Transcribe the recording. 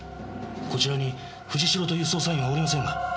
こちらに藤代という捜査員はおりませんが。